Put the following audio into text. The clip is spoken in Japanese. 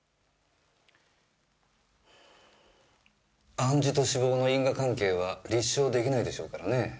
暗示と死亡の因果関係は立証出来ないでしょうからね。